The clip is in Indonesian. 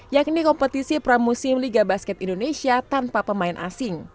yakni kompetisi pramusim liga basket indonesia tanpa pemain asing